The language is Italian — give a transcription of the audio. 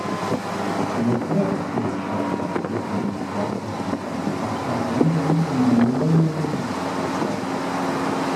Le tre specie oggi attribuite a questo genere sono state rinvenute nell'Olartico.